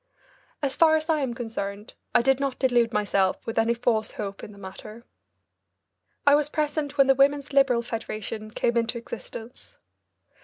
As far as I am concerned, I did not delude myself with any false hopes in the matter. I was present when the Women's Liberal Federation came into existence.